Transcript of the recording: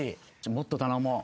もっと頼もう。